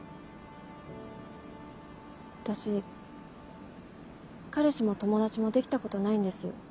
私彼氏も友達もできたことないんです。